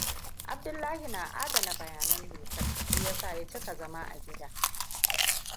Abdullahi na adana bayanan dokar, shi yasa ya cika zama a gida.